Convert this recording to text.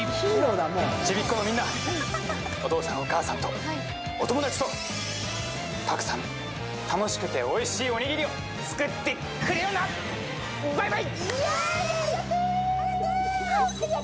お父さんお母さんと、お友達と、たくさん楽しくておいしいおにぎりを作ってくれよな、バイバイ！